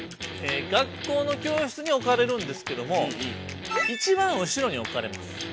学校の教室に置かれるんですけどもいちばん後ろに置かれます。